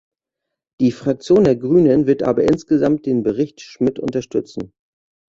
Die Fraktion der Grünen wird aber insgesamt den Bericht Schmid unterstützen.